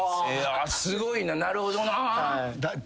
すごいななるほどな。